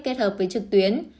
kết hợp với trực tuyến